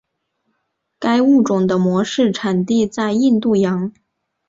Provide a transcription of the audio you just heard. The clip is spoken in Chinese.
该物种的模式产地在印度洋。